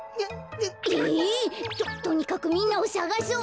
えっ！？ととにかくみんなをさがそう。